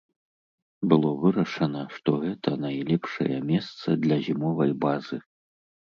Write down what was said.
Было вырашана, што гэта найлепшае месца для зімовай базы.